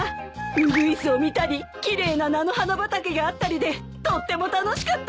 ウグイスを見たり奇麗な菜の花畑があったりでとっても楽しかったよ！